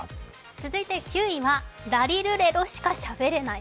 続いて９位はラリルレロしかしゃべれない。